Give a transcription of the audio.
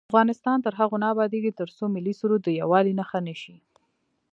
افغانستان تر هغو نه ابادیږي، ترڅو ملي سرود د یووالي نښه نشي.